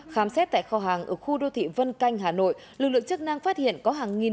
khám xét tại kho hàng ở khu đô thị vân canh hà nội lực lượng chức năng phát hiện có hàng nghìn